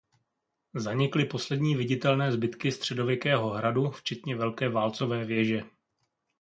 Zanikly poslední viditelné zbytky středověkého hradu včetně velké válcové věže.